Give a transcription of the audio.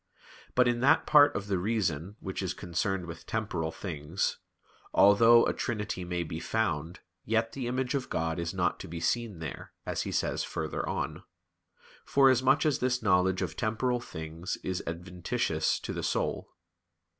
But in that part of the reason which is concerned with temporal things, "although a trinity may be found; yet the image of God is not to be seen there," as he says farther on; forasmuch as this knowledge of temporal things is adventitious to the soul.